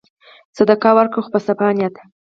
صدقه ورکړه خو په صفا نیت.